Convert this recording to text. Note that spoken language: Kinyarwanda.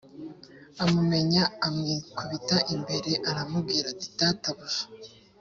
amumenya amwikubita imbere r aramubwira ati databuja s